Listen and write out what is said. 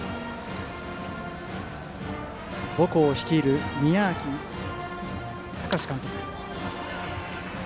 母校を率いる宮秋孝史監督。